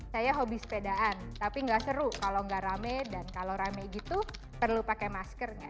saya hobi sepedaan tapi nggak seru kalau nggak rame dan kalau rame gitu perlu pakai maskernya